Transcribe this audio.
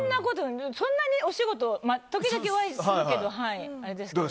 そんなにお仕事時々お会いするけど。